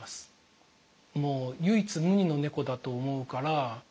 もう唯一無二の猫だと思うから。